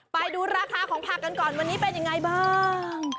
ไปดูราคาของผักกันก่อนวันนี้เป็นยังไงบ้าง